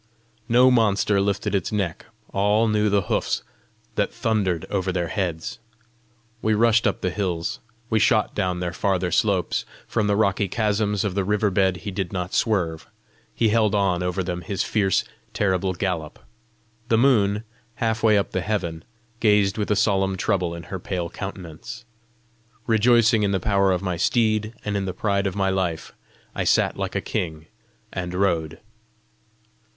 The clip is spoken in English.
No monster lifted its neck; all knew the hoofs that thundered over their heads! We rushed up the hills, we shot down their farther slopes; from the rocky chasms of the river bed he did not swerve; he held on over them his fierce, terrible gallop. The moon, half way up the heaven, gazed with a solemn trouble in her pale countenance. Rejoicing in the power of my steed and in the pride of my life, I sat like a king and rode.